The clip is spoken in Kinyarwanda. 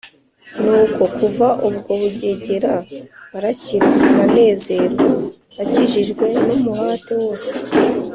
Nuko kuva ubwo Bugegera arakira aranezerwa akijijwe n’umuhate wo